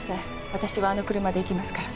私はあの車で行きますから。